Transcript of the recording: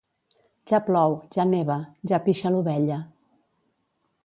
Ja plou, ja neva, ja pixa l'ovella.